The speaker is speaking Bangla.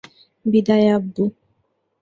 বিদায়, আব্বু।